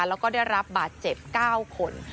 แล้วก็ได้รับบาดเจ็บ๙คน